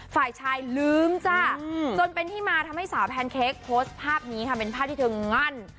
ฝ่ายชายลืมจ้ะจนเป็นที่มาทำให้สาวแพนเค้กโพสต์ภาพนี้ค่ะเป็นภาพที่เธองั่น